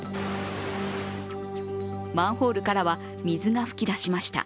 マンホールからは水が噴き出しました。